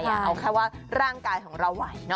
เอาแค่ว่าร่างกายของเราไหวนะ